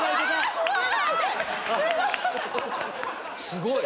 すごい！